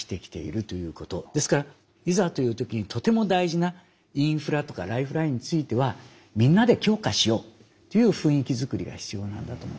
ですからいざという時にとても大事なインフラとかライフラインについてはみんなで強化しようという雰囲気作りが必要なんだと思います。